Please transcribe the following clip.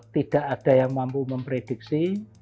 tidak ada yang mampu memprediksi